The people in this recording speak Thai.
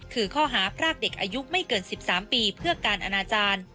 คือข้อหาพรากเด็กอายุไม่เกิน๑๓ปีเพื่อการอนาจารย์